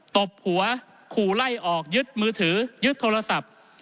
ตบหัวขู่ไล่ออกยึดมือถือยึดโทรศัพท์